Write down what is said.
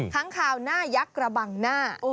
ค้างคาวหน้ายักษ์กระบังหน้า